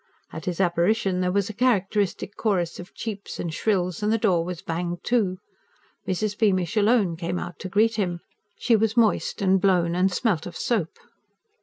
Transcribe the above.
At his apparition there was a characteristic chorus of cheeps and shrills and the door was banged to. Mrs. Beamish alone came out to greet him. She was moist and blown, and smelt of soap.